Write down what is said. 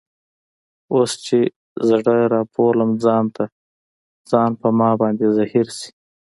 اوس چي زړه رابولم ځان ته ، ځان په ما باندي زهیر سي